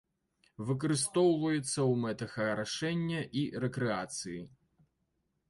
Выкарыстоўваецца ў мэтах арашэння і рэкрэацыі.